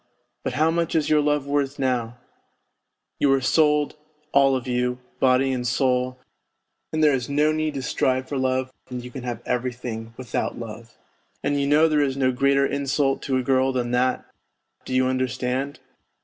But how much is your love worth now ? You are sold, all of you, body and soul, and there is no need to strive for love when you can have every thing without love. And you know there is no greater insult to a girl than that, do you understand